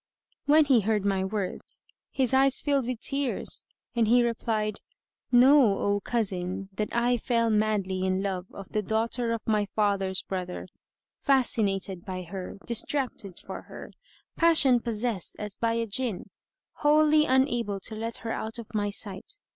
When he heard my words, his eyes filled with tears and he replied, "Know, O my cousin, that I fell madly in love of the daughter of my father's brother, fascinated by her, distracted for her, passion possessed as by a Jinn, wholly unable to let her out of my sight.